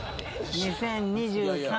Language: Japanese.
２０２３